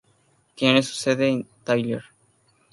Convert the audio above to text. Tiene su sede en Tyler.